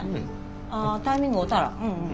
ああタイミング合うたら。